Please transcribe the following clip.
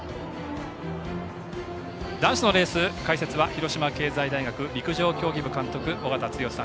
男子のレース解説は広島経済大学陸上競技部監督尾方剛さん。